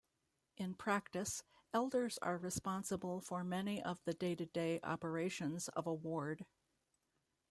In practice, elders are responsible for many of the day-to-day operations of a ward.